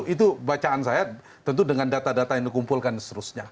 itu bacaan saya tentu dengan data data yang dikumpulkan dan seterusnya